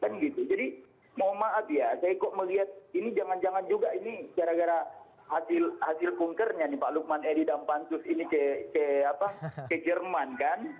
kan gitu jadi mau maaf ya saya kok melihat ini jangan jangan juga ini gara gara hasil kunkernya nih pak lukman edi dan pansus ini ke jerman kan